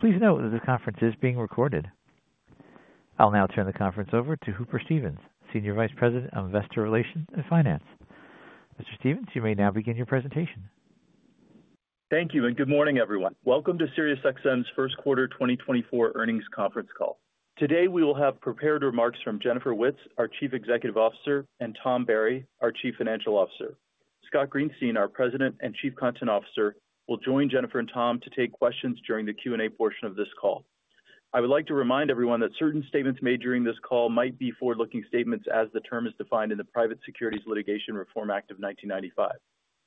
Please note that this conference is being recorded. I'll now turn the conference over to Hooper Stevens, Senior Vice President of Investor Relations and Finance. Mr. Stevens, you may now begin your presentation. Thank you, and good morning, everyone. Welcome to SiriusXM's first quarter 2024 earnings conference call. Today, we will have prepared remarks from Jennifer Witz, our Chief Executive Officer, and Tom Barry, our Chief Financial Officer. Scott Greenstein, our President and Chief Content Officer, will join Jennifer and Tom to take questions during the Q&A portion of this call. I would like to remind everyone that certain statements made during this call might be forward-looking statements as the term is defined in the Private Securities Litigation Reform Act of 1995.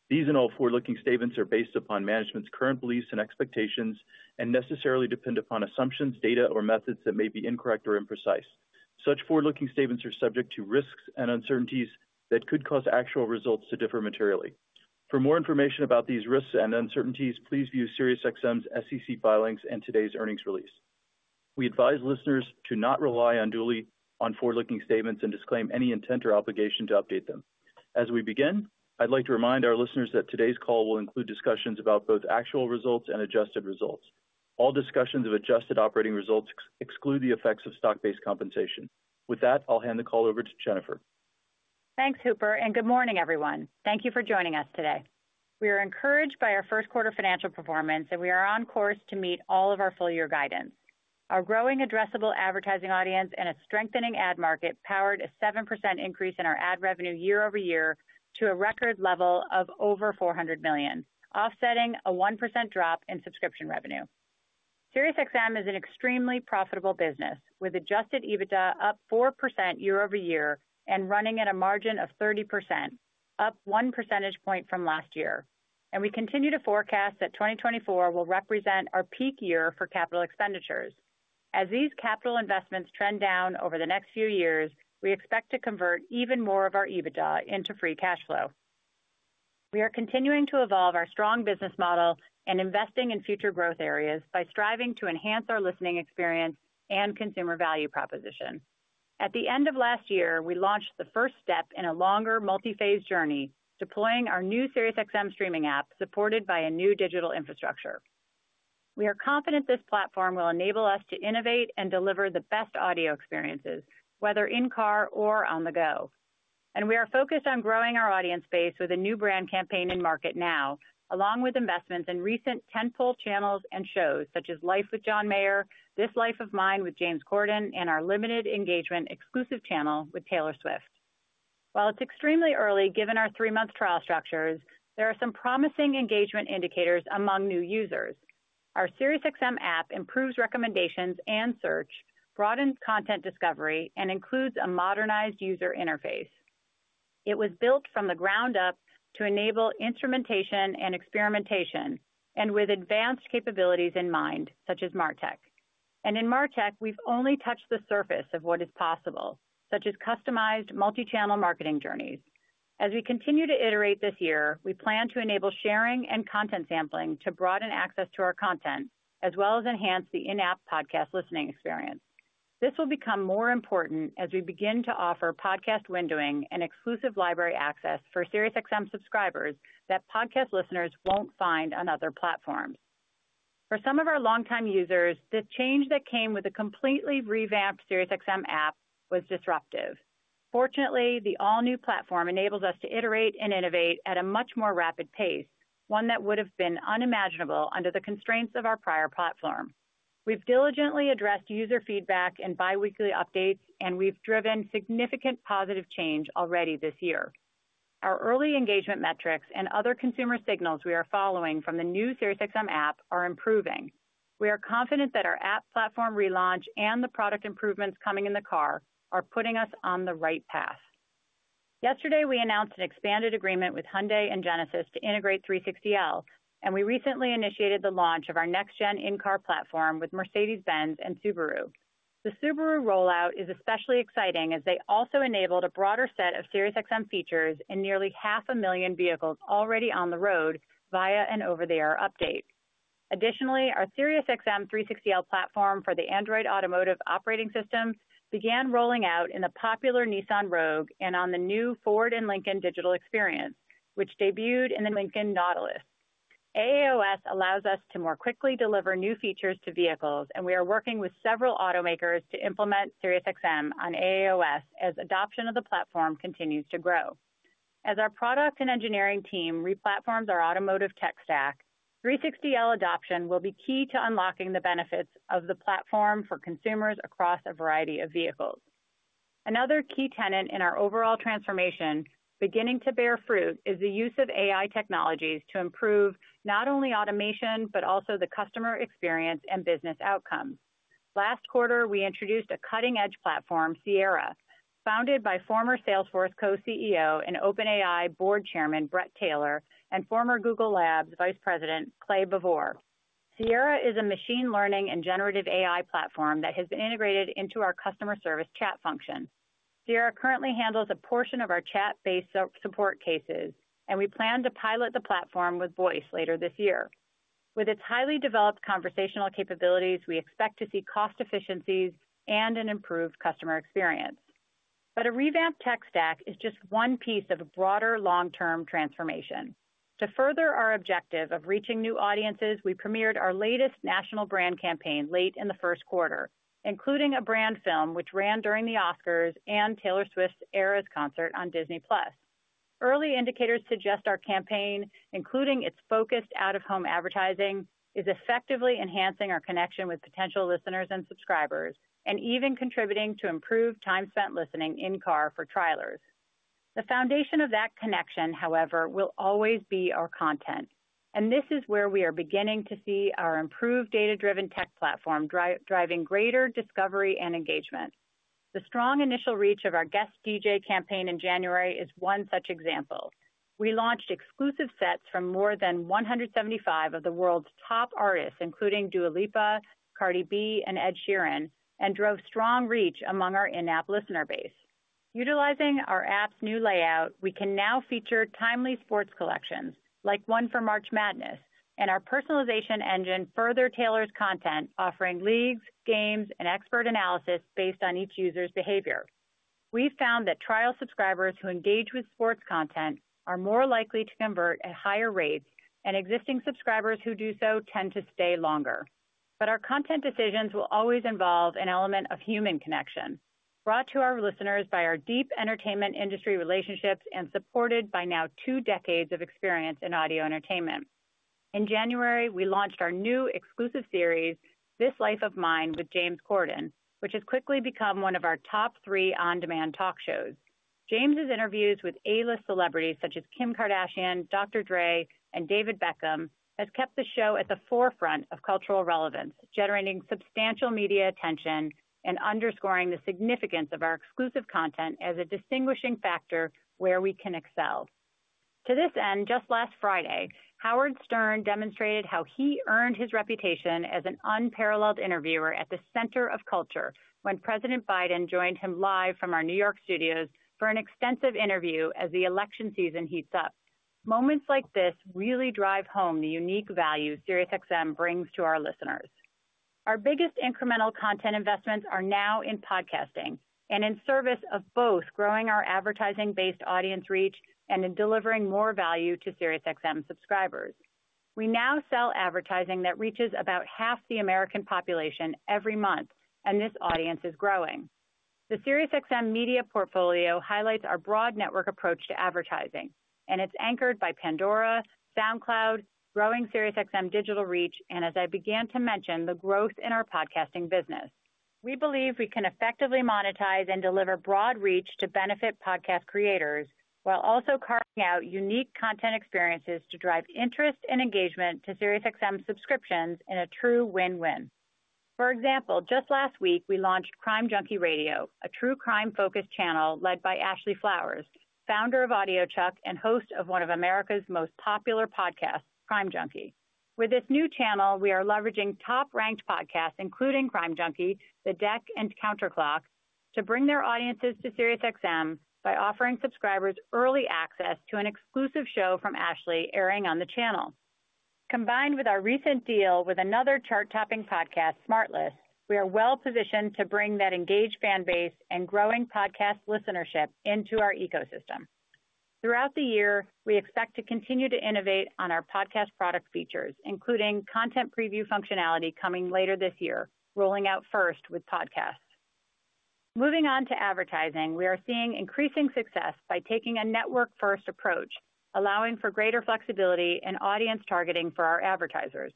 These and all forward-looking statements are based upon management's current beliefs and expectations and necessarily depend upon assumptions, data, or methods that may be incorrect or imprecise. Such forward-looking statements are subject to risks and uncertainties that could cause actual results to differ materially. For more information about these risks and uncertainties, please view SiriusXM's SEC filings and today's earnings release. We advise listeners to not rely unduly on forward-looking statements and disclaim any intent or obligation to update them. As we begin, I'd like to remind our listeners that today's call will include discussions about both actual results and adjusted results. All discussions of adjusted operating results exclude the effects of stock-based compensation. With that, I'll hand the call over to Jennifer. Thanks, Hooper, and good morning, everyone. Thank you for joining us today. We are encouraged by our first quarter financial performance, and we are on course to meet all of our full-year guidance. Our growing addressable advertising audience and a strengthening ad market powered a 7% increase in our ad revenue year-over-year to a record level of over $400 million, offsetting a 1% drop in subscription revenue. SiriusXM is an extremely profitable business, with Adjusted EBITDA up 4% year-over-year and running at a margin of 30%, up one percentage point from last year. We continue to forecast that 2024 will represent our peak year for capital expenditures. As these capital investments trend down over the next few years, we expect to convert even more of our EBITDA into free cash flow. We are continuing to evolve our strong business model and investing in future growth areas by striving to enhance our listening experience and consumer value proposition. At the end of last year, we launched the first step in a longer, multi-phase journey, deploying our new SiriusXM streaming app, supported by a new digital infrastructure. We are confident this platform will enable us to innovate and deliver the best audio experiences, whether in-car or on the go. We are focused on growing our audience base with a new brand campaign in market now, along with investments in recent tentpole channels and shows such as Life with John Mayer, This Life of Mine with James Corden, and our limited engagement exclusive channel with Taylor Swift. While it's extremely early, given our three-month trial structures, there are some promising engagement indicators among new users. Our SiriusXM app improves recommendations and search, broadens content discovery, and includes a modernized user interface. It was built from the ground up to enable instrumentation and experimentation, and with advanced capabilities in mind, such as MarTech. In MarTech, we've only touched the surface of what is possible, such as customized multi-channel marketing journeys. As we continue to iterate this year, we plan to enable sharing and content sampling to broaden access to our content, as well as enhance the in-app podcast listening experience. This will become more important as we begin to offer podcast windowing and exclusive library access for SiriusXM subscribers that podcast listeners won't find on other platforms. For some of our longtime users, the change that came with a completely revamped SiriusXM app was disruptive. Fortunately, the all-new platform enables us to iterate and innovate at a much more rapid pace, one that would have been unimaginable under the constraints of our prior platform. We've diligently addressed user feedback and biweekly updates, and we've driven significant positive change already this year. Our early engagement metrics and other consumer signals we are following from the new SiriusXM app are improving. We are confident that our app platform relaunch and the product improvements coming in the car are putting us on the right path. Yesterday, we announced an expanded agreement with Hyundai and Genesis to integrate 360L, and we recently initiated the launch of our next-gen in-car platform with Mercedes-Benz and Subaru. The Subaru rollout is especially exciting, as they also enabled a broader set of SiriusXM features in nearly 500,000 vehicles already on the road via an over-the-air update. Additionally, our SiriusXM 360L platform for the Android Automotive Operating System began rolling out in the popular Nissan Rogue and on the new Ford and Lincoln digital experience, which debuted in the Lincoln Nautilus. AAOS allows us to more quickly deliver new features to vehicles, and we are working with several automakers to implement SiriusXM on AAOS as adoption of the platform continues to grow. As our product and engineering team replatforms our automotive tech stack, 360L adoption will be key to unlocking the benefits of the platform for consumers across a variety of vehicles. Another key tenet in our overall transformation, beginning to bear fruit, is the use of AI technologies to improve not only automation, but also the customer experience and business outcomes. Last quarter, we introduced a cutting-edge platform, Sierra, founded by former Salesforce co-CEO and OpenAI Board chairman, Bret Taylor, and former Google Labs vice president, Clay Bavor. Sierra is a machine learning and generative AI platform that has been integrated into our customer service chat function. Sierra currently handles a portion of our chat-based support cases, and we plan to pilot the platform with Voice later this year. With its highly developed conversational capabilities, we expect to see cost efficiencies and an improved customer experience. But a revamped tech stack is just one piece of a broader long-term transformation. To further our objective of reaching new audiences, we premiered our latest national brand campaign late in the first quarter, including a brand film, which ran during the Oscars and Taylor Swift's Eras concert on Disney+. Early indicators suggest our campaign, including its focused out-of-home advertising, is effectively enhancing our connection with potential listeners and subscribers, and even contributing to improved time spent listening in-car for trialers. The foundation of that connection, however, will always be our content, and this is where we are beginning to see our improved data-driven tech platform driving greater discovery and engagement. The strong initial reach of our guest DJ campaign in January is one such example. We launched exclusive sets from more than 175 of the world's top artists, including Dua Lipa, Cardi B, and Ed Sheeran, and drove strong reach among our in-app listener base. Utilizing our app's new layout, we can now feature timely sports collections, like one for March Madness, and our personalization engine further tailors content, offering leagues, games, and expert analysis based on each user's behavior. We found that trial subscribers who engage with sports content are more likely to convert at higher rates, and existing subscribers who do so tend to stay longer. But our content decisions will always involve an element of human connection, brought to our listeners by our deep entertainment industry relationships and supported by now two decades of experience in audio entertainment. In January, we launched our new exclusive series, This Life of Mine with James Corden, which has quickly become one of our top three on-demand talk shows. James's interviews with A-list celebrities such as Kim Kardashian, Dr. Dre, and David Beckham, has kept the show at the forefront of cultural relevance, generating substantial media attention and underscoring the significance of our exclusive content as a distinguishing factor where we can excel. To this end, just last Friday, Howard Stern demonstrated how he earned his reputation as an unparalleled interviewer at the center of culture when President Biden joined him live from our New York studios for an extensive interview as the election season heats up. Moments like this really drive home the unique value SiriusXM brings to our listeners. Our biggest incremental content investments are now in podcasting and in service of both growing our advertising-based audience reach and in delivering more value to SiriusXM subscribers. We now sell advertising that reaches about half the American population every month, and this audience is growing. The SiriusXM media portfolio highlights our broad network approach to advertising, and it's anchored by Pandora, SoundCloud, growing SiriusXM digital reach, and as I began to mention, the growth in our podcasting business. We believe we can effectively monetize and deliver broad reach to benefit podcast creators, while also carving out unique content experiences to drive interest and engagement to SiriusXM subscriptions in a true win-win. For example, just last week, we launched Crime Junkie Radio, a true crime-focused channel led by Ashley Flowers, founder of audiochuck and host of one of America's most popular podcasts, Crime Junkie. With this new channel, we are leveraging top-ranked podcasts, including Crime Junkie, The Deck, and Counterclock, to bring their audiences to SiriusXM by offering subscribers early access to an exclusive show from Ashley airing on the channel. Combined with our recent deal with another chart-topping podcast, SmartLess, we are well-positioned to bring that engaged fan base and growing podcast listenership into our ecosystem. Throughout the year, we expect to continue to innovate on our podcast product features, including content preview functionality coming later this year, rolling out first with podcasts. Moving on to advertising, we are seeing increasing success by taking a network-first approach, allowing for greater flexibility and audience targeting for our advertisers.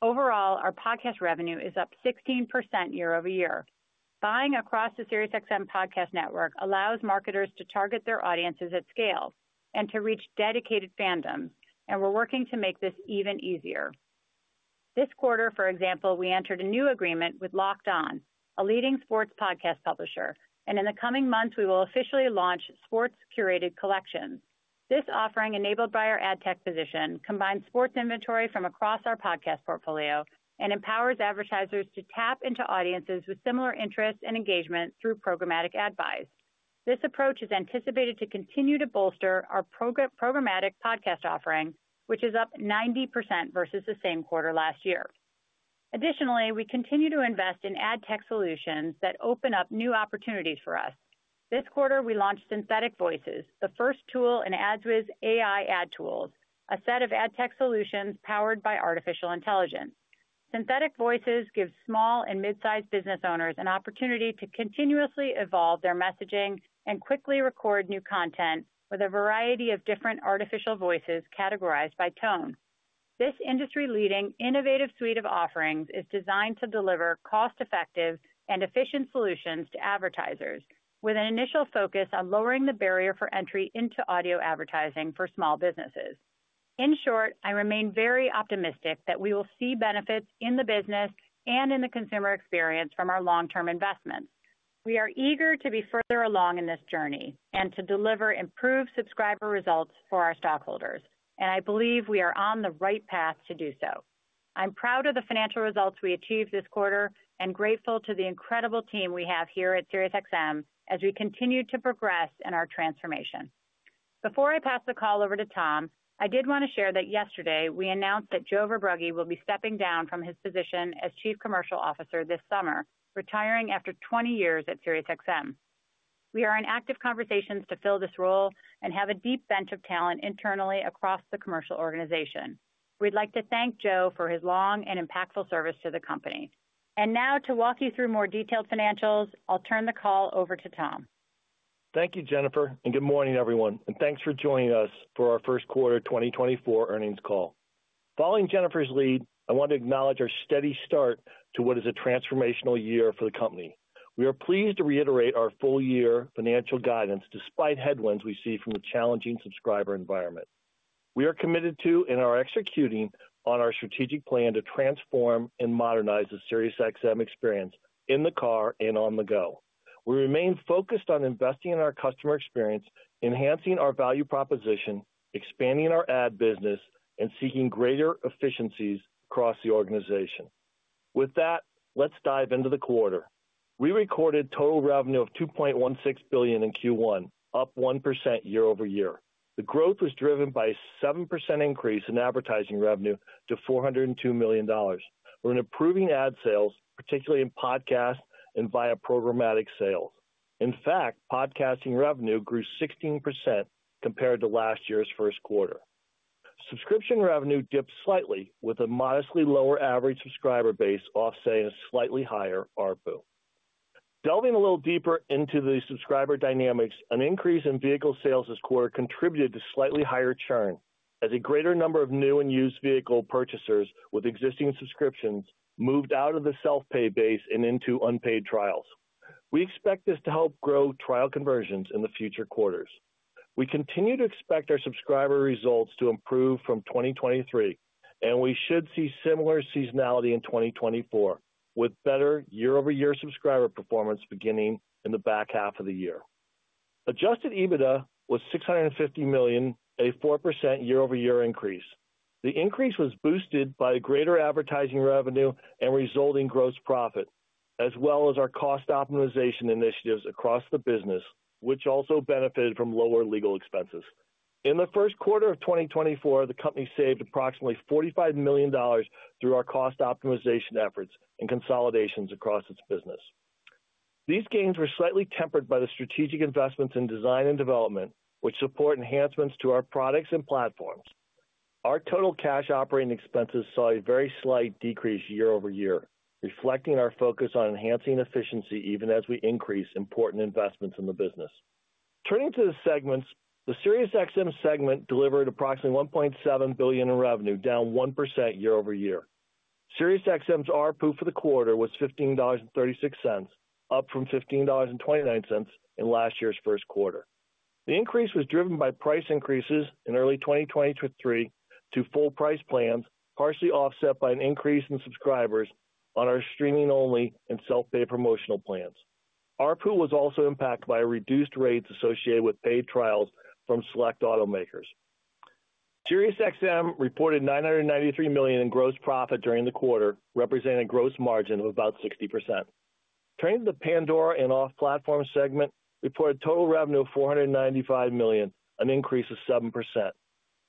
Overall, our podcast revenue is up 16% year-over-year. Buying across the SiriusXM podcast network allows marketers to target their audiences at scale and to reach dedicated fandoms, and we're working to make this even easier. This quarter, for example, we entered a new agreement with Locked On, a leading sports podcast publisher, and in the coming months, we will officially launch sports curated collections. This offering, enabled by our ad tech position, combines sports inventory from across our podcast portfolio and empowers advertisers to tap into audiences with similar interests and engagement through programmatic ad buys. This approach is anticipated to continue to bolster our programmatic podcast offering, which is up 90% versus the same quarter last year. Additionally, we continue to invest in ad tech solutions that open up new opportunities for us. This quarter, we launched Synthetic Voices, the first tool in AdsWizz AI Ad Tools, a set of ad tech solutions powered by artificial intelligence. Synthetic Voices gives small and mid-sized business owners an opportunity to continuously evolve their messaging and quickly record new content with a variety of different artificial voices categorized by tone. This industry-leading innovative suite of offerings is designed to deliver cost-effective and efficient solutions to advertisers, with an initial focus on lowering the barrier for entry into audio advertising for small businesses. In short, I remain very optimistic that we will see benefits in the business and in the consumer experience from our long-term investments. We are eager to be further along in this journey and to deliver improved subscriber results for our stockholders, and I believe we are on the right path to do so. I'm proud of the financial results we achieved this quarter and grateful to the incredible team we have here at SiriusXM as we continue to progress in our transformation.... Before I pass the call over to Tom, I did want to share that yesterday, we announced that Joe Verbrugge will be stepping down from his position as Chief Commercial Officer this summer, retiring after 20 years at SiriusXM. We are in active conversations to fill this role and have a deep bench of talent internally across the commercial organization. We'd like to thank Joe for his long and impactful service to the company. Now, to walk you through more detailed financials, I'll turn the call over to Tom. Thank you, Jennifer, and good morning, everyone, and thanks for joining us for our first quarter 2024 earnings call. Following Jennifer's lead, I want to acknowledge our steady start to what is a transformational year for the company. We are pleased to reiterate our full-year financial guidance despite headwinds we see from the challenging subscriber environment. We are committed to and are executing on our strategic plan to transform and modernize the SiriusXM experience in the car and on the go. We remain focused on investing in our customer experience, enhancing our value proposition, expanding our ad business, and seeking greater efficiencies across the organization. With that, let's dive into the quarter. We recorded total revenue of $2.16 billion in Q1, up 1% year-over-year. The growth was driven by a 7% increase in advertising revenue to $402 million. We're in improving ad sales, particularly in podcasts and via programmatic sales. In fact, podcasting revenue grew 16% compared to last year's first quarter. Subscription revenue dipped slightly, with a modestly lower average subscriber base, offsetting a slightly higher ARPU. Delving a little deeper into the subscriber dynamics, an increase in vehicle sales this quarter contributed to slightly higher churn, as a greater number of new and used vehicle purchasers with existing subscriptions moved out of the self-pay base and into unpaid trials. We expect this to help grow trial conversions in the future quarters. We continue to expect our subscriber results to improve from 2023, and we should see similar seasonality in 2024, with better year-over-year subscriber performance beginning in the back half of the year. Adjusted EBITDA was $650 million, a 4% year-over-year increase. The increase was boosted by greater advertising revenue and resulting gross profit, as well as our cost optimization initiatives across the business, which also benefited from lower legal expenses. In the first quarter of 2024, the company saved approximately $45 million through our cost optimization efforts and consolidations across its business. These gains were slightly tempered by the strategic investments in design and development, which support enhancements to our products and platforms. Our total cash operating expenses saw a very slight decrease year-over-year, reflecting our focus on enhancing efficiency even as we increase important investments in the business. Turning to the segments, the SiriusXM segment delivered approximately $1.7 billion in revenue, down 1% year-over-year. SiriusXM's ARPU for the quarter was $15.36, up from $15.29 in last year's first quarter. The increase was driven by price increases in early 2023 to full price plans, partially offset by an increase in subscribers on our streaming-only and self-pay promotional plans. ARPU was also impacted by reduced rates associated with paid trials from select automakers. SiriusXM reported $993 million in gross profit during the quarter, representing a gross margin of about 60%. Turning to the Pandora and off-platform segment, reported total revenue of $495 million, an increase of 7%.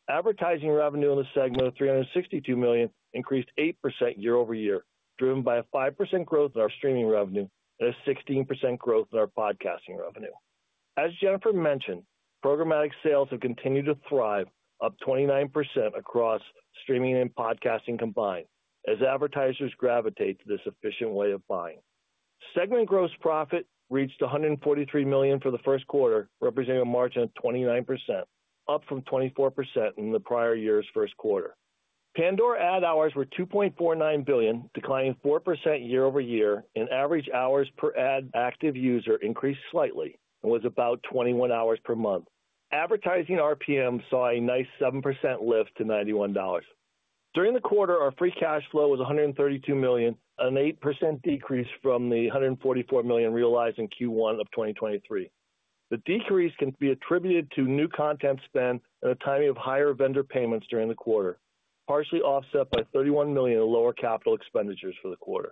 Advertising revenue in the segment of $362 million increased 8% year-over-year, driven by a 5% growth in our streaming revenue and a 16% growth in our podcasting revenue. As Jennifer mentioned, programmatic sales have continued to thrive, up 29% across streaming and podcasting combined, as advertisers gravitate to this efficient way of buying. Segment gross profit reached $143 million for the first quarter, representing a margin of 29%, up from 24% in the prior year's first quarter. Pandora ad hours were 2.49 billion, declining 4% year-over-year, and average hours per ad active user increased slightly and was about 21 hours per month. Advertising RPM saw a nice 7% lift to $91. During the quarter, our free cash flow was $132 million, an 8% decrease from the $144 million realized in Q1 of 2023. The decrease can be attributed to new content spend and a timing of higher vendor payments during the quarter, partially offset by $31 million in lower capital expenditures for the quarter.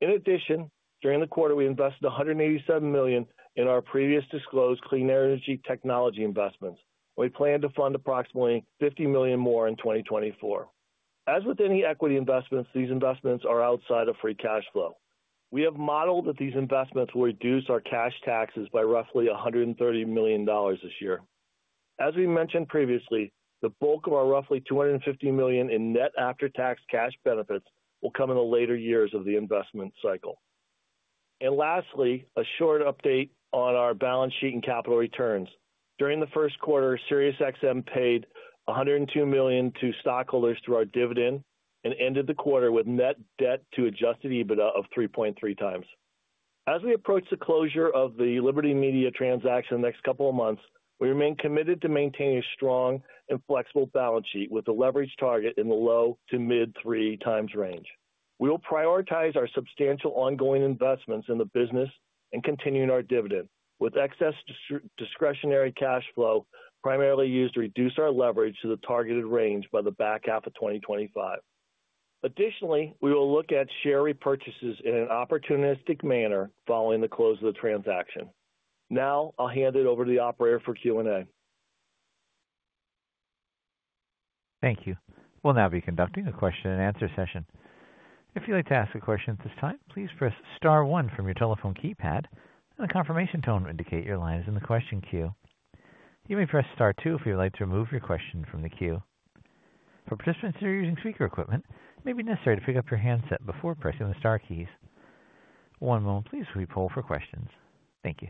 In addition, during the quarter, we invested $187 million in our previously disclosed clean energy technology investments. We plan to fund approximately $50 million more in 2024. As with any equity investments, these investments are outside of free cash flow. We have modeled that these investments will reduce our cash taxes by roughly $130 million this year. As we mentioned previously, the bulk of our roughly $250 million in net after-tax cash benefits will come in the later years of the investment cycle. Lastly, a short update on our balance sheet and capital returns. During the first quarter, SiriusXM paid $102 million to stockholders through our dividend and ended the quarter with net debt to Adjusted EBITDA of 3.3x. As we approach the closure of the Liberty Media transaction in the next couple of months, we remain committed to maintaining a strong and flexible balance sheet with a leverage target in the low- to mid-3x range. We will prioritize our substantial ongoing investments in the business and continuing our dividend, with excess discretionary cash flow primarily used to reduce our leverage to the targeted range by the back half of 2025.... Additionally, we will look at share repurchases in an opportunistic manner following the close of the transaction. Now I'll hand it over to the operator for Q&A. Thank you. We'll now be conducting a question-and-answer session. If you'd like to ask a question at this time, please press star one from your telephone keypad, and a confirmation tone to indicate your line is in the question queue. You may press star two if you'd like to remove your question from the queue. For participants who are using speaker equipment, it may be necessary to pick up your handset before pressing the star keys. One moment please, while we poll for questions. Thank you.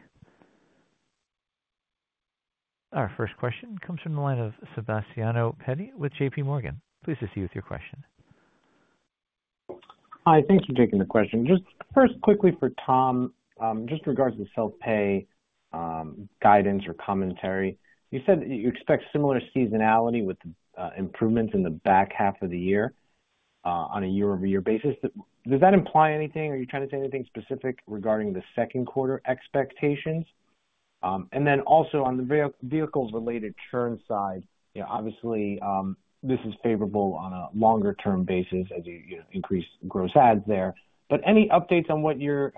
Our first question comes from the line of Sebastiano Petti with JPMorgan. Please proceed with your question. Hi, thank you for taking the question. Just first, quickly for Tom, just regards to self-pay, guidance or commentary. You said you expect similar seasonality with improvements in the back half of the year, on a year-over-year basis. Does that imply anything? Are you trying to say anything specific regarding the second quarter expectations? And then also on the vehicles related churn side, you know, obviously, this is favorable on a longer-term basis as you increase gross adds there. But any updates on what you're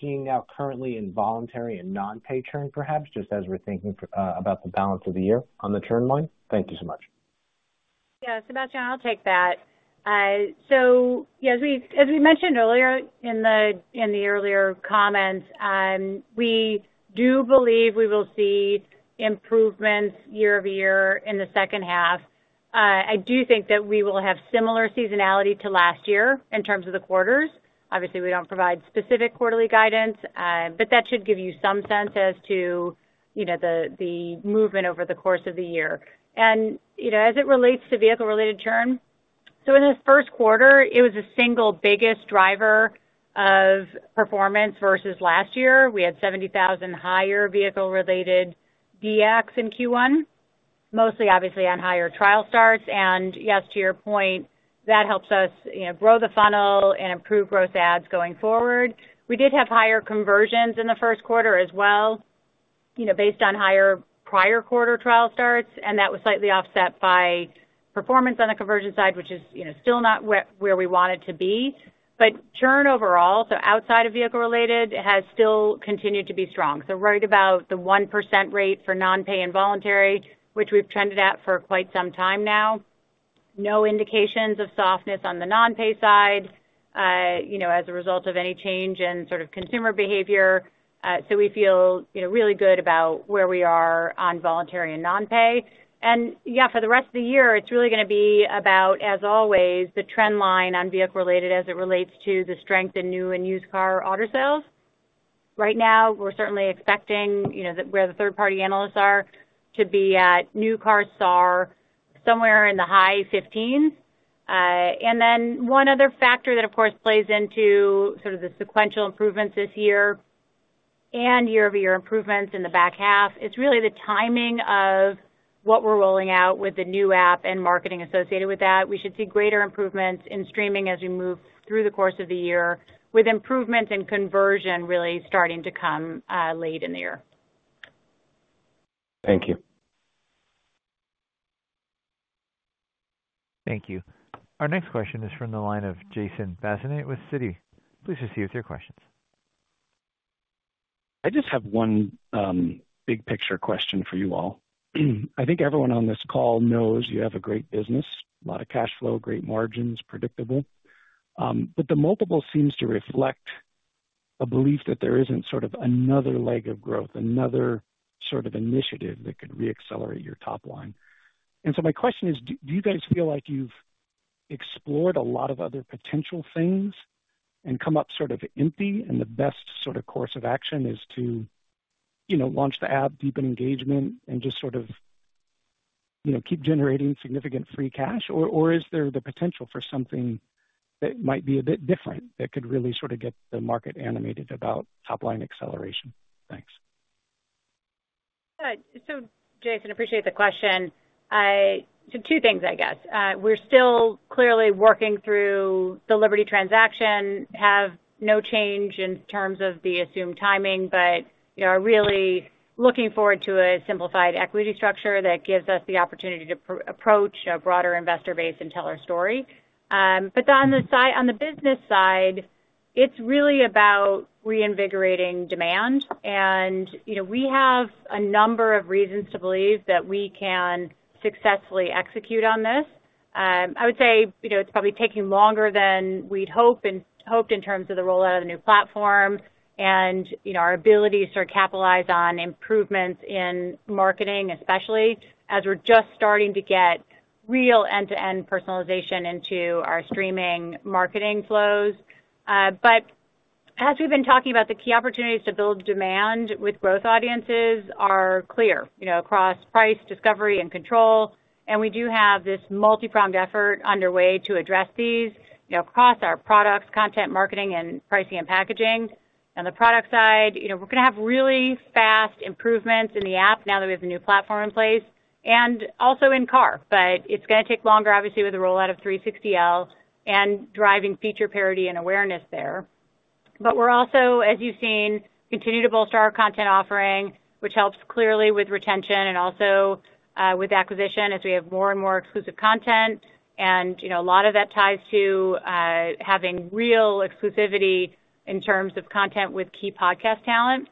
seeing now currently in voluntary and non-pay churn, perhaps just as we're thinking about the balance of the year on the churn line? Thank you so much. Yeah, Sebastiano, I'll take that. So as we mentioned earlier in the earlier comments, we do believe we will see improvements year-over-year in the second half. I do think that we will have similar seasonality to last year in terms of the quarters. Obviously, we don't provide specific quarterly guidance, but that should give you some sense as to, you know, the movement over the course of the year. And, you know, as it relates to vehicle-related churn, so in the first quarter, it was the single biggest driver of performance versus last year. We had 70,000 higher vehicle-related DX in Q1, mostly obviously on higher trial starts. And yes, to your point, that helps us, you know, grow the funnel and improve gross ads going forward. We did have higher conversions in the first quarter as well, you know, based on higher prior quarter trial starts, and that was slightly offset by performance on the conversion side, which is, you know, still not where we want it to be. But churn overall, so outside of vehicle-related, has still continued to be strong. So right about the 1% rate for non-pay and voluntary, which we've trended at for quite some time now. No indications of softness on the non-pay side, you know, as a result of any change in sort of consumer behavior. So we feel, you know, really good about where we are on voluntary and non-pay. And yeah, for the rest of the year, it's really gonna be about, as always, the trend line on vehicle-related as it relates to the strength in new and used car auto sales. Right now, we're certainly expecting, you know, where the third-party analysts are, to be at new car starts, somewhere in the high 15s. And then one other factor that, of course, plays into sort of the sequential improvements this year and year-over-year improvements in the back half, is really the timing of what we're rolling out with the new app and marketing associated with that. We should see greater improvements in streaming as we move through the course of the year, with improvements in conversion really starting to come, late in the year. Thank you. Thank you. Our next question is from the line of Jason Bazinet with Citi. Please proceed with your questions. I just have one, big picture question for you all. I think everyone on this call knows you have a great business, a lot of cash flow, great margins, predictable. But the multiple seems to reflect a belief that there isn't sort of another leg of growth, another sort of initiative that could reaccelerate your top line. And so my question is, do you guys feel like you've explored a lot of other potential things and come up sort of empty, and the best sort of course of action is to, you know, launch the app, deepen engagement, and just sort of, you know, keep generating significant free cash? Or is there the potential for something that might be a bit different, that could really sort of get the market animated about top-line acceleration? Thanks. Good. So, Jason, appreciate the question. So two things, I guess. We're still clearly working through the Liberty transaction, have no change in terms of the assumed timing, but we are really looking forward to a simplified equity structure that gives us the opportunity to approach a broader investor base and tell our story. But on the business side, it's really about reinvigorating demand. And, you know, we have a number of reasons to believe that we can successfully execute on this. I would say, you know, it's probably taking longer than we'd hope and hoped in terms of the rollout of the new platform and, you know, our ability to capitalize on improvements in marketing, especially as we're just starting to get real end-to-end personalization into our streaming marketing flows. But as we've been talking about, the key opportunities to build demand with growth audiences are clear, you know, across price, discovery, and control. And we do have this multipronged effort underway to address these, you know, across our products, content marketing, and pricing and packaging. On the product side, you know, we're going to have really fast improvements in the app now that we have the new platform in place, and also in car. But it's going to take longer, obviously, with the rollout of 360L and driving feature parity and awareness there. But we're also, as you've seen, continue to bolster our content offering, which helps clearly with retention and also with acquisition, as we have more and more exclusive content. And, you know, a lot of that ties to having real exclusivity in terms of content with key podcast talent.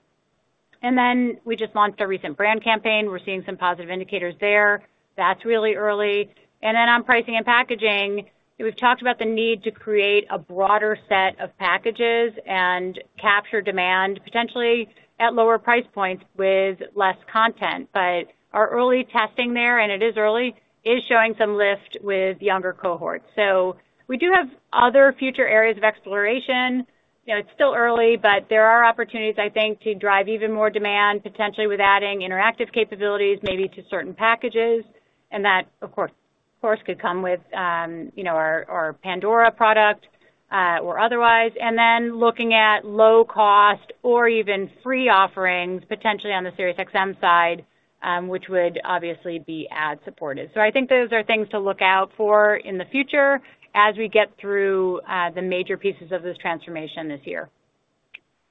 Then we just launched a recent brand campaign. We're seeing some positive indicators there. That's really early. Then on pricing and packaging, we've talked about the need to create a broader set of packages and capture demand, potentially at lower price points with less content. But our early testing there, and it is early, is showing some lift with younger cohorts. So we do have other future areas of exploration. You know, it's still early, but there are opportunities, I think, to drive even more demand, potentially with adding interactive capabilities, maybe to certain packages. That, of course, could come with, you know, our Pandora product, or otherwise, and then looking at low cost or even free offerings, potentially on the SiriusXM side, which would obviously be ad-supported. So I think those are things to look out for in the future as we get through the major pieces of this transformation this year.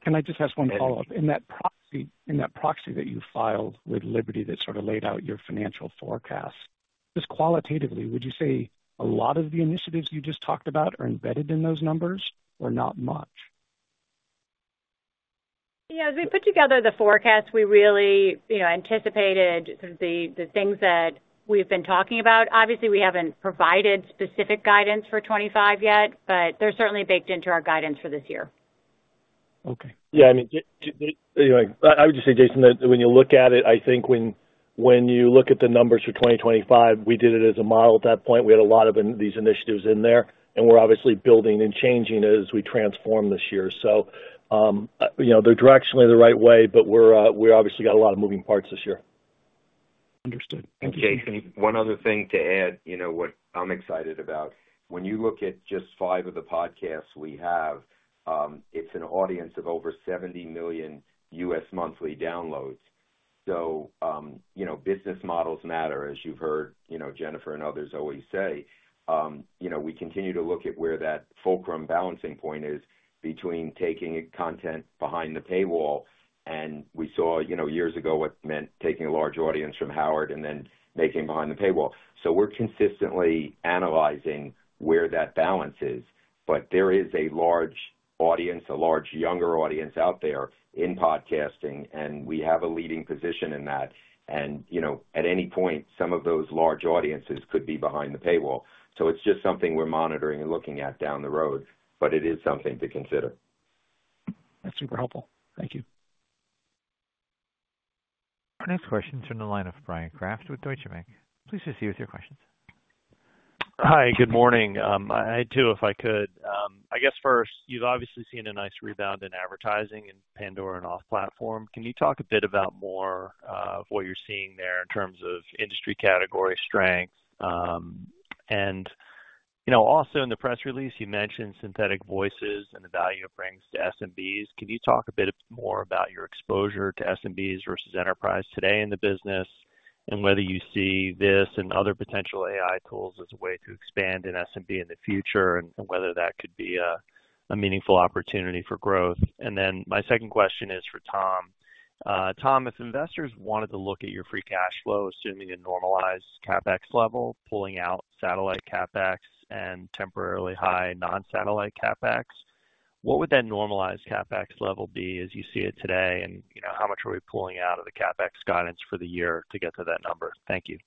Can I just ask one follow-up? In that proxy, in that proxy that you filed with Liberty, that sort of laid out your financial forecast, just qualitatively, would you say a lot of the initiatives you just talked about are embedded in those numbers, or not much? Yeah, as we put together the forecast, we really, you know, anticipated sort of the things that we've been talking about. Obviously, we haven't provided specific guidance for 2025 yet, but they're certainly baked into our guidance for this year. Okay. Yeah, I mean, anyway, I would just say, Jason, that when you look at it, I think when you look at the numbers for 2025, we did it as a model at that point. We had a lot of these initiatives in there, and we're obviously building and changing it as we transform this year. So, you know, they're directionally the right way, but we obviously got a lot of moving parts this year. Understood. Thank you. Jason, one other thing to add. You know what I'm excited about? When you look at just five of the podcasts we have, it's an audience of over 70 million U.S. monthly downloads. So, you know, business models matter, as you've heard, you know, Jennifer and others always say. You know, we continue to look at where that fulcrum balancing point is between taking content behind the paywall, and we saw, you know, years ago, what meant taking a large audience from Howard and then making behind the paywall. So we're consistently analyzing where that balance is. But there is a large audience, a large younger audience out there in podcasting, and we have a leading position in that. And, you know, at any point, some of those large audiences could be behind the paywall. It's just something we're monitoring and looking at down the road, but it is something to consider. That's super helpful. Thank you. Our next question is from the line of Bryan Kraft with Deutsche Bank. Please proceed with your questions. Hi, good morning. I too, if I could, I guess first, you've obviously seen a nice rebound in advertising in Pandora and off platform. Can you talk a bit about more, what you're seeing there in terms of industry category strength? And you know, also in the press release, you mentioned Synthetic Voices and the value it brings to SMBs. Can you talk a bit more about your exposure to SMBs versus enterprise today in the business, and whether you see this and other potential AI tools as a way to expand in SMB in the future, and whether that could be a meaningful opportunity for growth? And then my second question is for Tom. Tom, if investors wanted to look at your free cash flow, assuming a normalized CapEx level, pulling out satellite CapEx and temporarily high non-satellite CapEx, what would that normalized CapEx level be as you see it today? And you know, how much are we pulling out of the CapEx guidance for the year to get to that number? Thank you.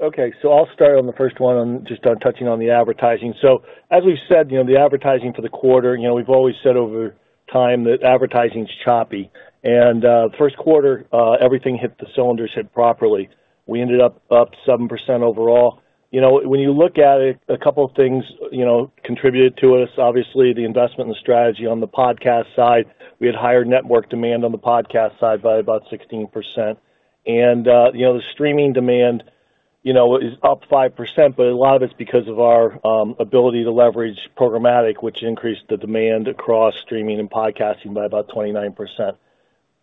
Okay, so I'll start on the first one, just touching on the advertising. So as we've said, you know, the advertising for the quarter, you know, we've always said over time that advertising is choppy, and, first quarter, everything hit the cylinders hit properly. We ended up 7% overall. You know, when you look at it, a couple of things, you know, contributed to us. Obviously, the investment and the strategy on the podcast side. We had higher network demand on the podcast side by about 16%. And, you know, the streaming demand, you know, is up 5%, but a lot of it's because of our ability to leverage programmatic, which increased the demand across streaming and podcasting by about 29%.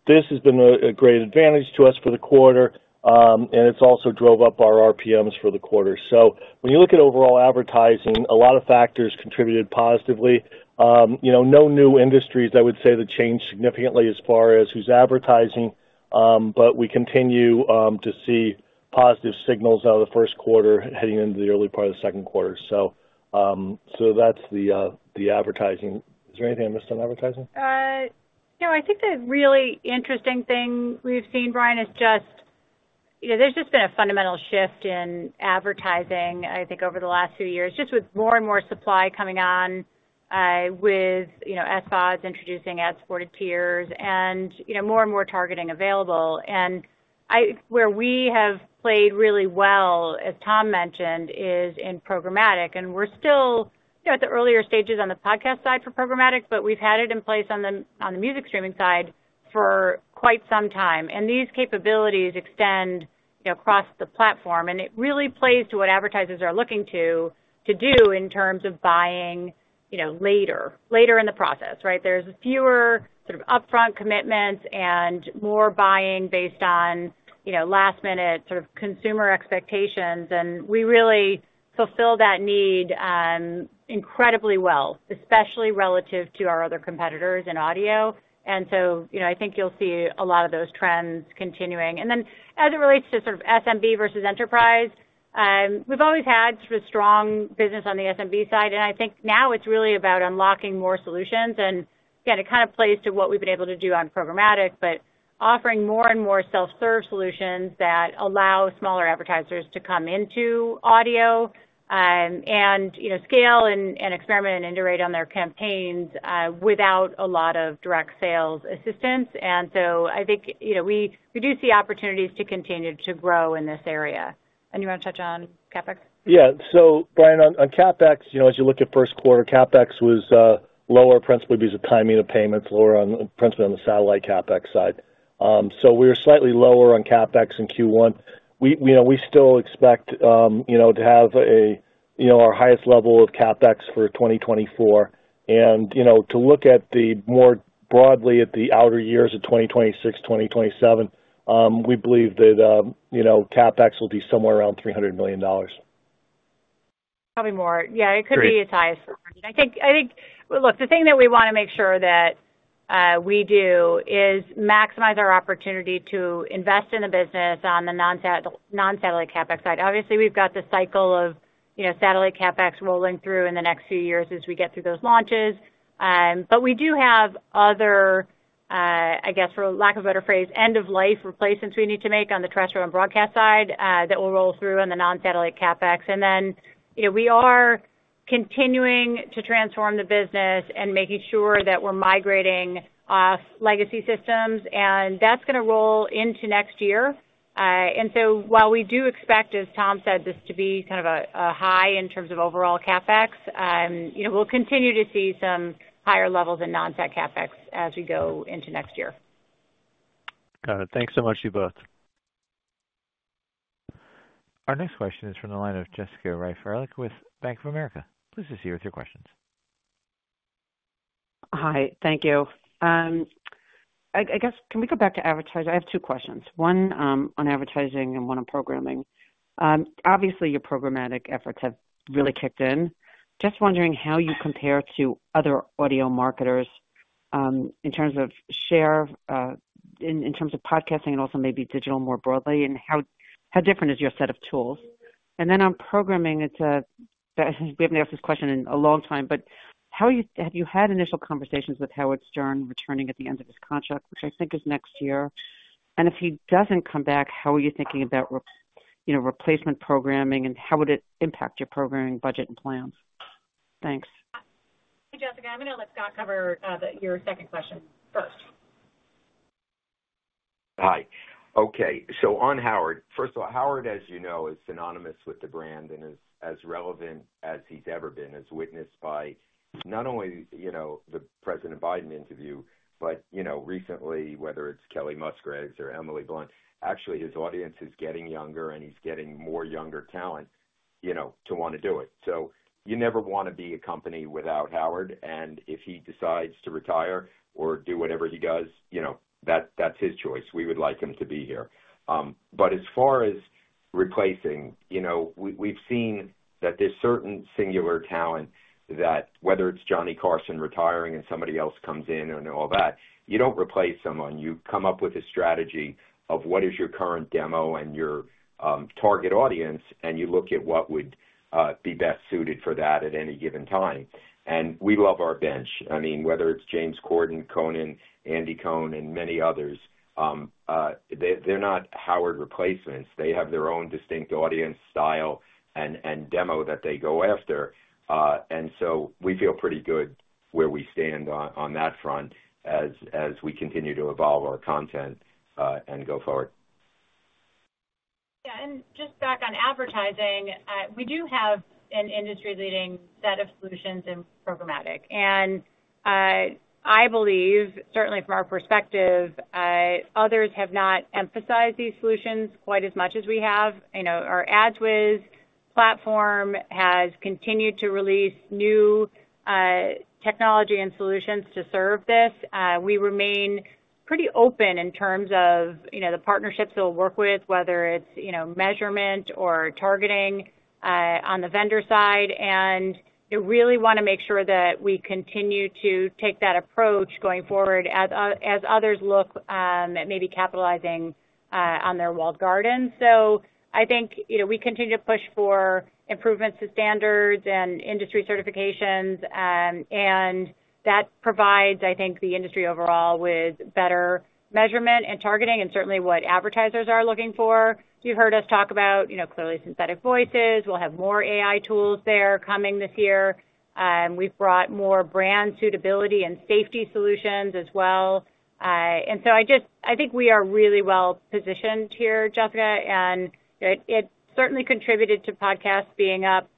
This has been a great advantage to us for the quarter, and it's also drove up our RPMs for the quarter. So when you look at overall advertising, a lot of factors contributed positively. You know, no new industries, I would say, that changed significantly as far as who's advertising, but we continue to see positive signals out of the first quarter heading into the early part of the second quarter. So, so that's the, the advertising. Is there anything I missed on advertising? You know, I think the really interesting thing we've seen, Brian, is just... You know, there's just been a fundamental shift in advertising, I think, over the last few years, just with more and more supply coming on, with, you know, ad spots, introducing ad-supported tiers and, you know, more and more targeting available. And where we have played really well, as Tom mentioned, is in programmatic, and we're still, you know, at the earlier stages on the podcast side for programmatic, but we've had it in place on the, on the music streaming side for quite some time. And these capabilities extend, you know, across the platform, and it really plays to what advertisers are looking to, to do in terms of buying, you know, later, later in the process, right? There's fewer sort of upfront commitments and more buying based on, you know, last-minute sort of consumer expectations, and we really fulfill that need incredibly well, especially relative to our other competitors in audio. And so, you know, I think you'll see a lot of those trends continuing. And then as it relates to sort of SMB versus enterprise, we've always had sort of strong business on the SMB side, and I think now it's really about unlocking more solutions. And again, it kinda plays to what we've been able to do on programmatic, but offering more and more self-serve solutions that allow smaller advertisers to come into audio, and, you know, scale and experiment and iterate on their campaigns without a lot of direct sales assistance. And so I think, you know, we do see opportunities to continue to grow in this area. You want to touch on CapEx? Yeah. So Brian, on CapEx, you know, as you look at first quarter, CapEx was lower, principally because of timing of payments, lower principally on the satellite CapEx side. So we were slightly lower on CapEx in Q1. We, you know, we still expect, you know, to have our highest level of CapEx for 2024. And, you know, to look at the more broadly at the outer years of 2026, 2027, we believe that, you know, CapEx will be somewhere around $300 million. Probably more. Yeah, it could be- Great! -higher. Look, the thing that we wanna make sure that we do is maximize our opportunity to invest in a business on the non-satellite CapEx side. Obviously, we've got the cycle of, you know, satellite CapEx rolling through in the next few years as we get through those launches. But we do have other, I guess, for lack of a better phrase, end-of-life replacements we need to make on the terrestrial and broadcast side that will roll through on the non-satellite CapEx. And then, you know, we are continuing to transform the business and making sure that we're migrating legacy systems, and that's gonna roll into next year. And so while we do expect, as Tom said, this to be kind of a high in terms of overall CapEx, you know, we'll continue to see some higher levels in non-sat CapEx as we go into next year. Got it. Thanks so much, you both. Our next question is from the line of Jessica Reif Ehrlich with Bank of America. Please proceed with your questions. Hi, thank you. I guess, can we go back to advertising? I have two questions, one, on advertising and one on programming. Obviously, your programmatic efforts have really kicked in. Just wondering how you compare to other audio marketers, in terms of share, in terms of podcasting and also maybe digital more broadly, and how different is your set of tools? And then on programming, it's, we haven't asked this question in a long time, but how are you, have you had initial conversations with Howard Stern returning at the end of his contract, which I think is next year? And if he doesn't come back, how are you thinking about you know, replacement programming, and how would it impact your programming budget and plans? Thanks. Hey, Jessica, I'm going to let Scott cover your second question first. Hi. Okay, so on Howard. First of all, Howard, as you know, is synonymous with the brand and is as relevant as he's ever been, as witnessed by not only, you know, the President Biden interview, but you know, recently, whether it's Kacey Musgraves or Emily Blunt. Actually, his audience is getting younger, and he's getting more younger talent, you know, to want to do it. So you never want to be a company without Howard, and if he decides to retire or do whatever he does, you know, that, that's his choice. We would like him to be here. But as far as replacing, you know, we, we've seen that there's certain singular talent that whether it's Johnny Carson retiring and somebody else comes in and all that, you don't replace someone. You come up with a strategy of what is your current demo and your target audience, and you look at what would be best suited for that at any given time. And we love our bench. I mean, whether it's James Corden, Conan, Andy Cohen, and many others, they're not Howard replacements. They have their own distinct audience, style, and demo that they go after. And so we feel pretty good where we stand on that front as we continue to evolve our content and go forward. Yeah, and just back on advertising, we do have an industry-leading set of solutions in programmatic. And, I believe, certainly from our perspective, others have not emphasized these solutions quite as much as we have. You know, our AdsWizz platform has continued to release new, technology and solutions to serve this. We remain pretty open in terms of, you know, the partnerships that we'll work with, whether it's, you know, measurement or targeting, on the vendor side. And we really wanna make sure that we continue to take that approach going forward as others look at maybe capitalizing on their walled garden. So I think, you know, we continue to push for improvements to standards and industry certifications, and that provides, I think, the industry overall with better measurement and targeting and certainly what advertisers are looking for. You've heard us talk about, you know, clearly synthetic voices. We'll have more AI tools there coming this year. We've brought more brand suitability and safety solutions as well. And so I just, I think we are really well positioned here, Jessica, and it, it certainly contributed to podcasts being up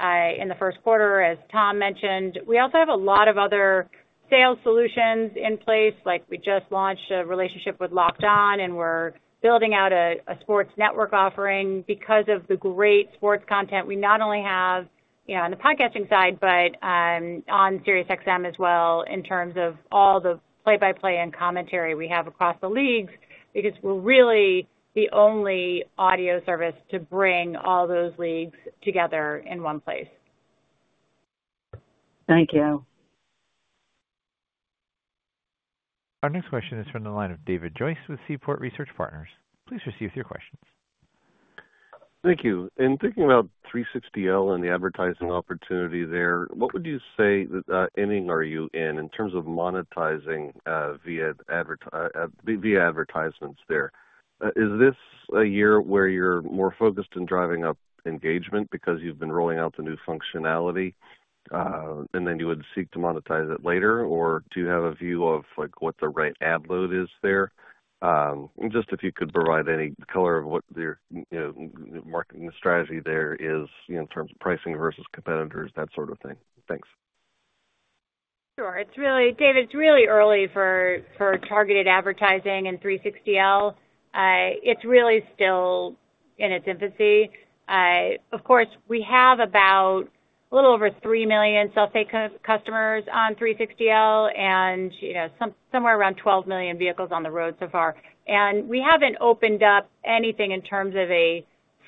in the first quarter, as Tom mentioned. We also have a lot of other sales solutions in place. Like, we just launched a relationship with Locked On, and we're building out a sports network offering because of the great sports content we not only have you know, on the podcasting side, but on SiriusXM as well, in terms of all the play-by-play and commentary we have across the leagues, because we're really the only audio service to bring all those leagues together in one place. Thank you. Our next question is from the line of David Joyce with Seaport Research Partners. Please proceed with your questions. Thank you. In thinking about 360L and the advertising opportunity there, what would you say, inning are you in, in terms of monetizing via advertisements there? Is this a year where you're more focused on driving up engagement because you've been rolling out the new functionality, and then you would seek to monetize it later? Or do you have a view of, like, what the right ad load is there? Just if you could provide any color on what your, you know, marketing strategy there is, you know, in terms of pricing versus competitors, that sort of thing. Thanks. Sure. It's really, David, it's really early for targeted advertising in 360L. It's really still in its infancy. Of course, we have about a little over 3 million self-pay customers on 360L and, you know, somewhere around 12 million vehicles on the road so far. We haven't opened up anything in terms of a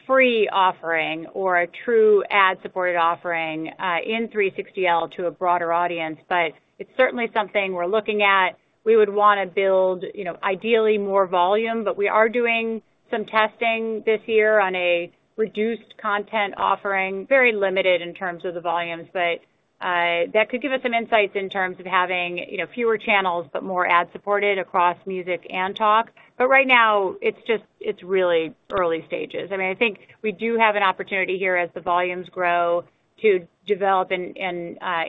free offering or a true ad-supported offering in 360L to a broader audience, but it's certainly something we're looking at. We would wanna build, you know, ideally more volume, but we are doing some testing this year on a reduced content offering, very limited in terms of the volumes. But that could give us some insights in terms of having, you know, fewer channels, but more ad-supported across music and talk. But right now, it's really early stages. I mean, I think we do have an opportunity here as the volumes grow, to develop and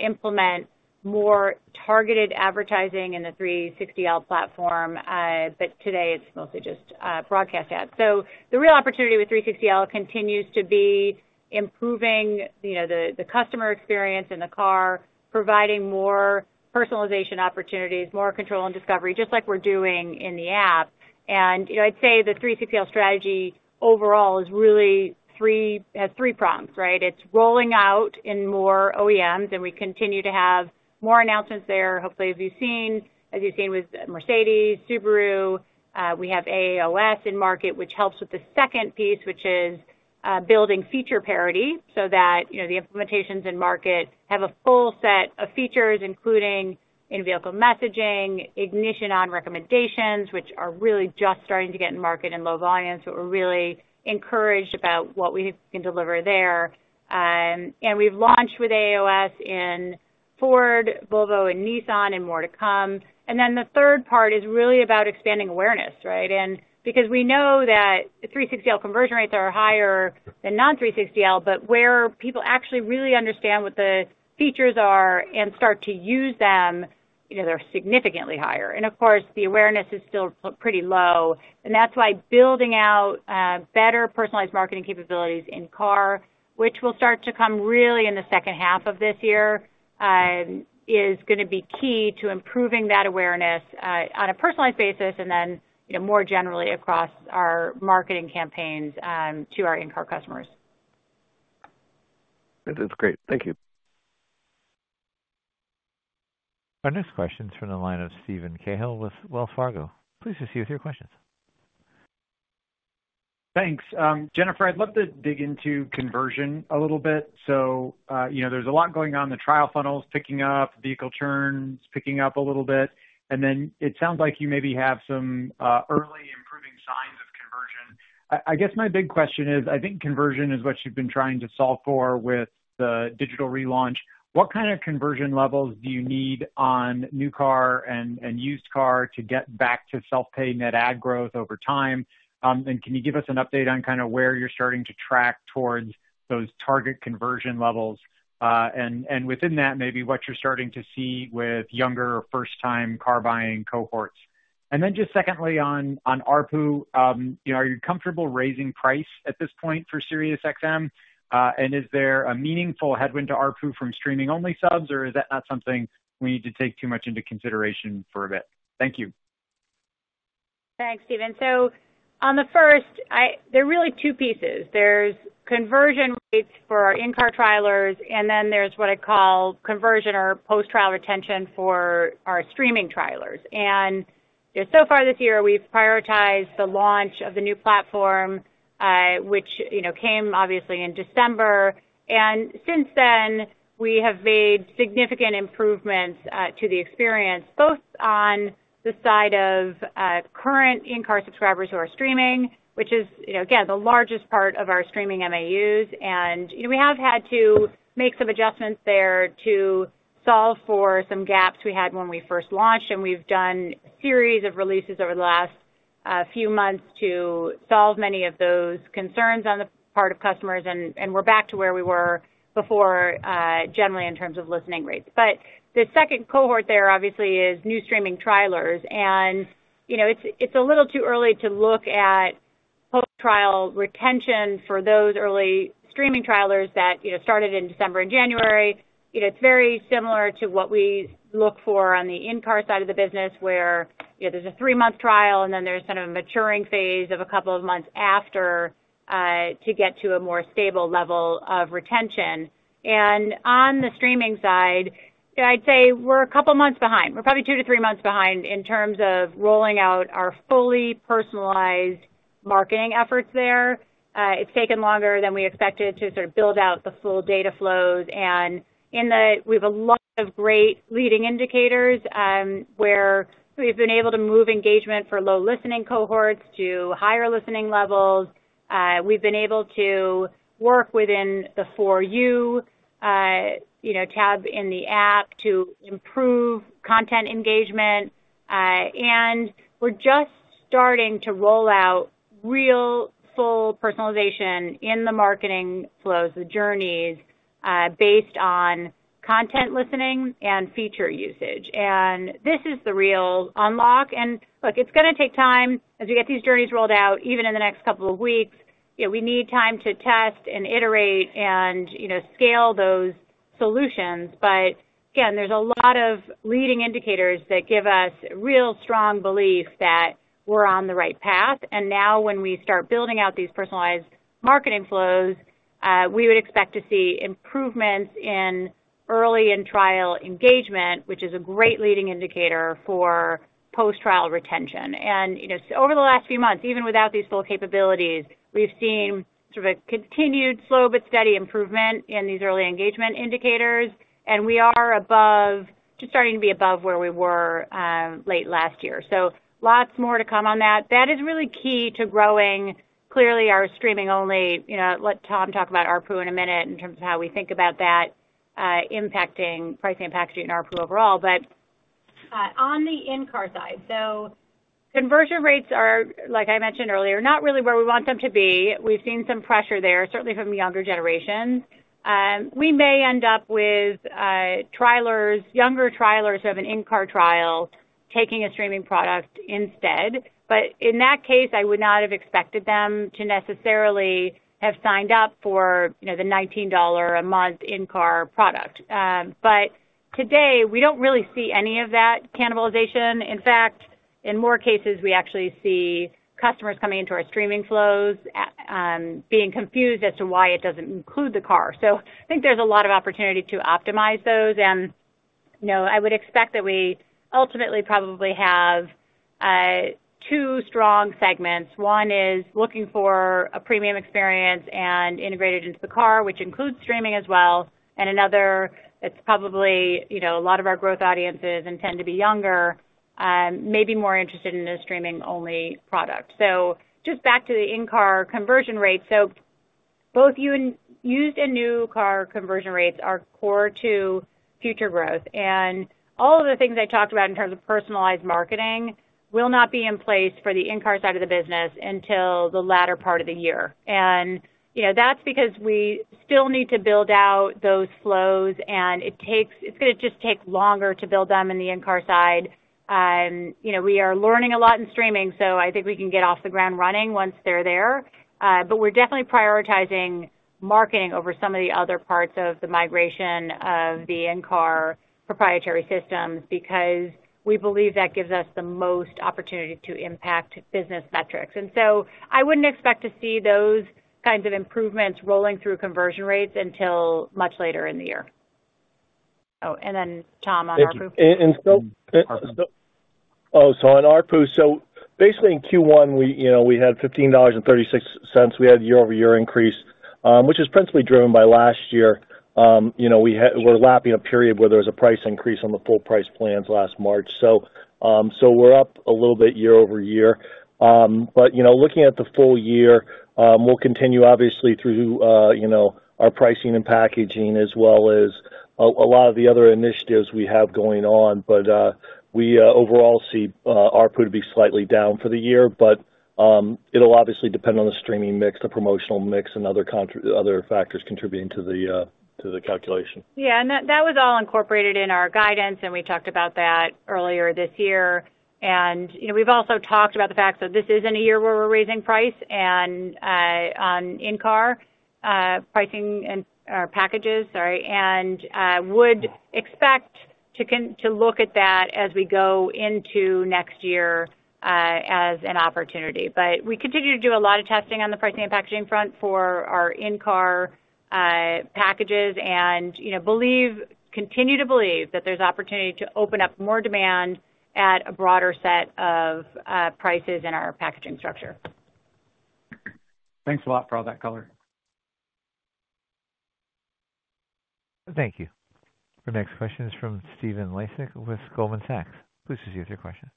implement more targeted advertising in the 360L platform. But today it's mostly just broadcast ads. So the real opportunity with 360L continues to be improving, you know, the customer experience in the car, providing more personalization opportunities, more control and discovery, just like we're doing in the app. And, you know, I'd say the 360L strategy overall is really three, it has three prongs, right? It's rolling out in more OEMs, and we continue to have more announcements there, hopefully, as you've seen, as you've seen with Mercedes, Subaru. We have AAOS in market, which helps with the second piece, which is building feature parity, so that, you know, the implementations in market have a full set of features, including in-vehicle messaging, ignition on recommendations, which are really just starting to get in market in low volumes, but we're really encouraged about what we can deliver there. We've launched with AAOS in Ford, Volvo, and Nissan, and more to come. Then the third part is really about expanding awareness, right? Because we know that the 360L conversion rates are higher than non-360L, but where people actually really understand what the features are and start to use them, you know, they're significantly higher. Of course, the awareness is still pretty low. That's why building out better personalized marketing capabilities in-car, which will start to come really in the second half of this year, is gonna be key to improving that awareness on a personalized basis, and then, you know, more generally across our marketing campaigns to our in-car customers. That's great. Thank you. Our next question is from the line of Steven Cahill with Wells Fargo. Please proceed with your questions. Thanks. Jennifer, I'd love to dig into conversion a little bit. So, you know, there's a lot going on. The trial funnel is picking up, vehicle churn is picking up a little bit, and then it sounds like you maybe have some early improving signs of conversion. I guess my big question is, I think conversion is what you've been trying to solve for with the digital relaunch. What kind of conversion levels do you need on new car and used car to get back to self-pay net adds growth over time? And can you give us an update on kind of where you're starting to track towards those target conversion levels? And within that, maybe what you're starting to see with younger or first-time car buying cohorts. Then just secondly, on ARPU, you know, are you comfortable raising price at this point for SiriusXM? And is there a meaningful headwind to ARPU from streaming-only subs, or is that not something we need to take too much into consideration for a bit? Thank you. Thanks, Steven. So on the first, there are really two pieces. There's conversion rates for our in-car trialers, and then there's what I call conversion or post-trial retention for our streaming trialers. And, you know, so far this year, we've prioritized the launch of the new platform, which, you know, came obviously in December, and since then, we have made significant improvements to the experience, both on the side of current in-car subscribers who are streaming, which is, you know, again, the largest part of our streaming MAUs. You know, we have had to make some adjustments there to solve for some gaps we had when we first launched, and we've done a series of releases over the last few months to solve many of those concerns on the part of customers, and we're back to where we were before, generally in terms of listening rates. But the second cohort there obviously is new streaming trialers. You know, it's a little too early to look at post-trial retention for those early streaming trialers that you know, started in December and January. You know, it's very similar to what we look for on the in-car side of the business, where you know, there's a three-month trial, and then there's kind of a maturing phase of a couple of months to get to a more stable level of retention. On the streaming side, I'd say we're a couple months behind. We're probably 2-3 months behind in terms of rolling out our fully personalized marketing efforts there. It's taken longer than we expected to sort of build out the full data flows. We have a lot of great leading indicators, where we've been able to move engagement for low listening cohorts to higher listening levels. We've been able to work within the For You, you know, tab in the app to improve content engagement. And we're just starting to roll out real full personalization in the marketing flows, the journeys, based on content listening and feature usage. And this is the real unlock. And look, it's gonna take time as we get these journeys rolled out, even in the next couple of weeks. Yet we need time to test and iterate and, you know, scale those solutions. But again, there's a lot of leading indicators that give us real strong belief that we're on the right path. And now, when we start building out these personalized marketing flows, we would expect to see improvements in early in trial engagement, which is a great leading indicator for post-trial retention. And, you know, so over the last few months, even without these full capabilities, we've seen sort of a continued slow but steady improvement in these early engagement indicators, and we are above, just starting to be above where we were late last year. So lots more to come on that. That is really key to growing, clearly, our streaming only. You know, let Tom talk about ARPU in a minute, in terms of how we think about that, impacting pricing and packaging ARPU overall. But, on the in-car side, so conversion rates are, like I mentioned earlier, not really where we want them to be. We've seen some pressure there, certainly from the younger generations. We may end up with trialers, younger trialers who have an in-car trial, taking a streaming product instead. But in that case, I would not have expected them to necessarily have signed up for, you know, the $19-a-month in-car product. But today, we don't really see any of that cannibalization. In fact, in more cases, we actually see customers coming into our streaming flows, being confused as to why it doesn't include the car. So I think there's a lot of opportunity to optimize those. You know, I would expect that we ultimately probably have two strong segments. One is looking for a premium experience and integrated into the car, which includes streaming as well, and another that's probably, you know, a lot of our growth audiences and tend to be younger, maybe more interested in a streaming-only product. Just back to the in-car conversion rates. Both used and new car conversion rates are core to future growth. All of the things I talked about in terms of personalized marketing will not be in place for the in-car side of the business until the latter part of the year. You know, that's because we still need to build out those flows, and it takes, it's gonna just take longer to build them in the in-car side. You know, we are learning a lot in streaming, so I think we can get off the ground running once they're there. But we're definitely prioritizing marketing over some of the other parts of the migration of the in-car proprietary systems, because we believe that gives us the most opportunity to impact business metrics. And so I wouldn't expect to see those kinds of improvements rolling through conversion rates until much later in the year. Oh, and then Tom, on ARPU? So on ARPU, so basically, in Q1, we, you know, we had $15.36. We had year-over-year increase, which is principally driven by last year. You know, we're lapping a period where there was a price increase on the full price plans last March. So, we're up a little bit year-over-year. But, you know, looking at the full year, we'll continue obviously through, you know, our pricing and packaging, as well as a lot of the other initiatives we have going on. But, we overall see ARPU to be slightly down for the year, but, it'll obviously depend on the streaming mix, the promotional mix, and other factors contributing to the calculation. Yeah, and that, that was all incorporated in our guidance, and we talked about that earlier this year. And, you know, we've also talked about the fact that this isn't a year where we're raising price and, on in-car, pricing and or packages, sorry. And, would expect to continue to look at that as we go into next year, as an opportunity. But we continue to do a lot of testing on the pricing and packaging front for our in-car, packages and, you know, believe, continue to believe that there's opportunity to open up more demand at a broader set of, prices in our packaging structure. Thanks a lot for all that color. Thank you. The next question is from Stephen Laszczyk with Goldman Sachs. Please state your question.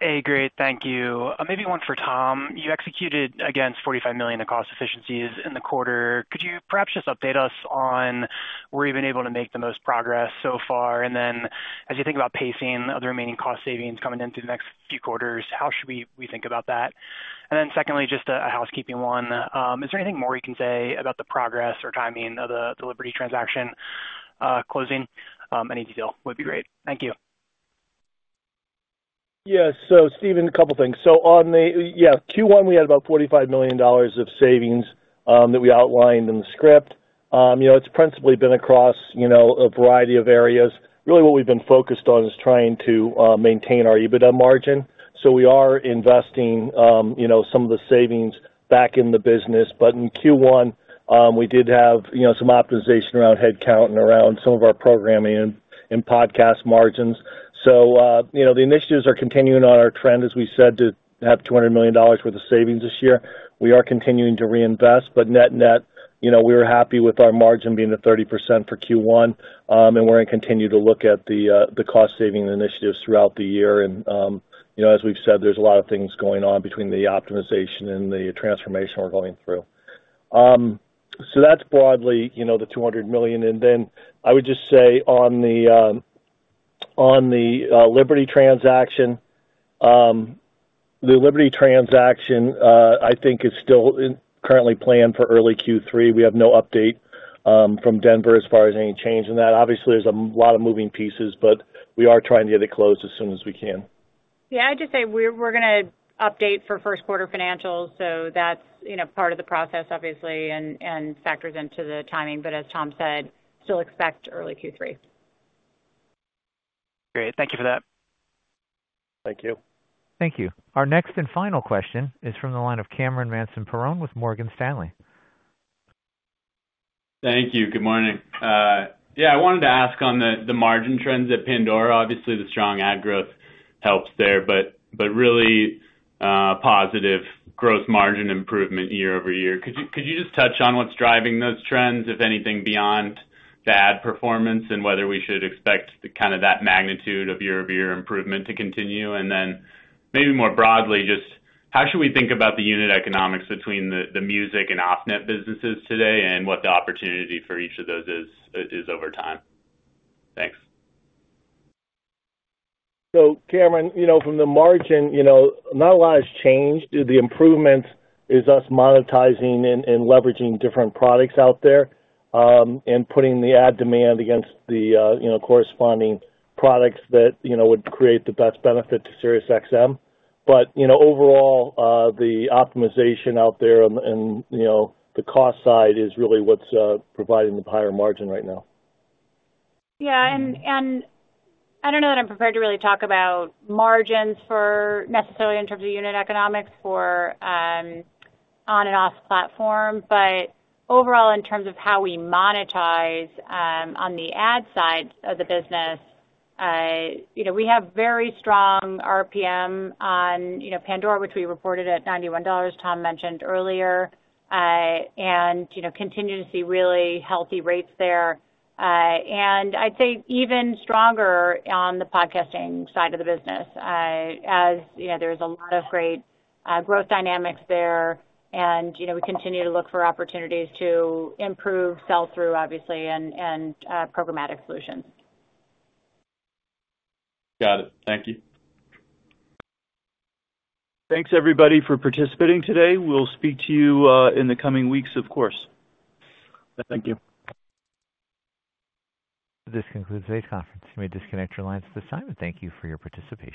Hey, great. Thank you. Maybe one for Tom. You executed against $45 million in cost efficiencies in the quarter. Could you perhaps just update us on where you've been able to make the most progress so far? And then, as you think about pacing other remaining cost savings coming in through the next few quarters, how should we think about that? And then secondly, just a housekeeping one. Is there anything more you can say about the progress or timing of the Liberty transaction closing? Any detail would be great. Thank you. Yes. So Stephen, a couple things. So on the... Yeah, Q1, we had about $45 million of savings that we outlined in the script. You know, it's principally been across, you know, a variety of areas. Really, what we've been focused on is trying to maintain our EBITDA margin. So we are investing, you know, some of the savings back in the business. But in Q1, we did have, you know, some optimization around headcount and around some of our programming and podcast margins. So, you know, the initiatives are continuing on our trend, as we said, to have $200 million worth of savings this year. We are continuing to reinvest, but net-net, you know, we're happy with our margin being at 30% for Q1. We're going to continue to look at the cost-saving initiatives throughout the year. You know, as we've said, there's a lot of things going on between the optimization and the transformation we're going through. So that's broadly, you know, the $200 million. And then I would just say on the, on the, Liberty transaction, the Liberty transaction, I think is still in, currently planned for early Q3. We have no update, from Denver as far as any change in that. Obviously, there's a lot of moving pieces, but we are trying to get it closed as soon as we can. Yeah, I'd just say we're, we're gonna update for first quarter financials, so that's, you know, part of the process, obviously, and, and factors into the timing. But as Tom said, still expect early Q3. Great. Thank you for that. Thank you. Thank you. Our next and final question is from the line of Cameron Mansson-Perrone with Morgan Stanley. Thank you. Good morning. Yeah, I wanted to ask on the margin trends at Pandora. Obviously, the strong ad growth helps there, but really positive gross margin improvement year-over-year. Could you just touch on what's driving those trends, if anything, beyond the ad performance, and whether we should expect kind of that magnitude of year-over-year improvement to continue? And then, maybe more broadly, just how should we think about the unit economics between the music and off-net businesses today, and what the opportunity for each of those is over time? Thanks. So, Cameron, you know, from the margin, you know, not a lot has changed. The improvement is us monetizing and leveraging different products out there, and putting the ad demand against the, you know, corresponding products that, you know, would create the best benefit to SiriusXM. But, you know, overall, the optimization out there and, you know, the cost side is really what's providing the higher margin right now. Yeah, and I don't know that I'm prepared to really talk about margins for necessarily in terms of unit economics for on and off platform. But overall, in terms of how we monetize on the ad side of the business, you know, we have very strong RPM on, you know, Pandora, which we reported at $91, Tom mentioned earlier, and, you know, continue to see really healthy rates there. And I'd say even stronger on the podcasting side of the business, as, you know, there's a lot of great growth dynamics there. And, you know, we continue to look for opportunities to improve sell-through, obviously, and programmatic solutions. Got it. Thank you. Thanks, everybody, for participating today. We'll speak to you in the coming weeks, of course. Thank you. This concludes today's conference. You may disconnect your lines at this time, and thank you for your participation.